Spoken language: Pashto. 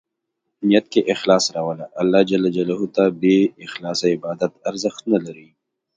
نیت کې اخلاص راوله ، الله ج ته بې اخلاصه عبادت ارزښت نه لري.